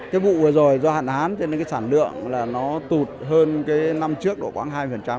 cái vụ vừa rồi do hạn hán cho nên cái sản lượng là nó tụt hơn cái năm trước độ khoảng hai